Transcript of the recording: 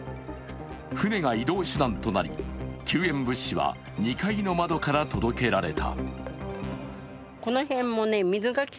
舟が移動手段となり救援物資は２階の窓から届けられた。